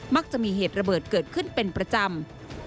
มักจะมีเหตุระเบิดเกิดขึ้นเป็นประจำ